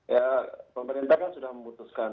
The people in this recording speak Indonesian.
ya pemerintah kan sudah memutuskan